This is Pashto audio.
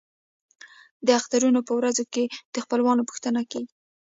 د اخترونو په ورځو کې د خپلوانو پوښتنه کیږي.